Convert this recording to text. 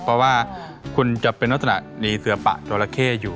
เพราะว่าคุณจะเป็นลักษณะมีเสือปะจราเข้อยู่